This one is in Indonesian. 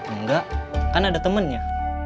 enggak kan ada temennya